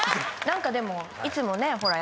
何かでもいつもねほら